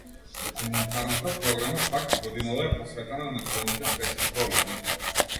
Документарната програма, пак, и годинава е посветена на актуелните светски проблеми.